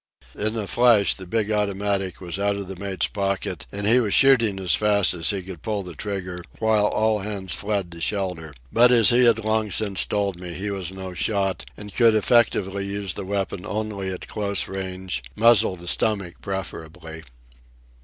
In a flash the big automatic was out of the mate's pocket and he was shooting as fast as he could pull trigger, while all hands fled to shelter. But, as he had long since told me, he was no shot and could effectively use the weapon only at close range—muzzle to stomach preferably.